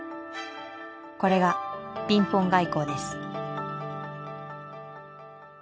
これがピンポン外交です。